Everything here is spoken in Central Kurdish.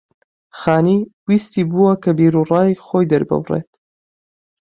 خانی ویستی بووە کە بیرو ڕای خۆی دەرببڕێت